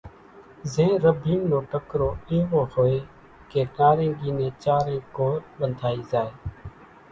زين رڀين نو ٽڪرو ايوڙو ھوئي ڪي نارينگي نين چارين ڪور ٻنڌائي زائي۔